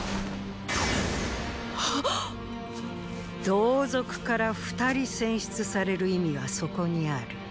同族から二人選出される意味はそこにある。